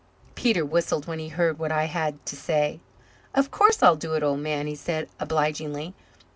Peter whistled when he heard what I had to say. "Of course I'll do it, old man," he said obligingly.